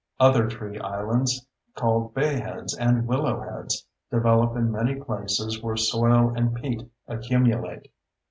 Other tree islands, called bayheads and willow heads, develop in many places where soil and peat accumulate.